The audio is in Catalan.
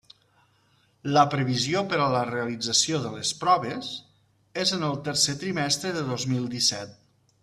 La previsió per a la realització de les proves és en el tercer trimestre de dos mil disset.